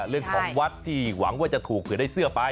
เรื่องของวัดที่หวังว่าจะถูกเผื่อได้เสื้อไป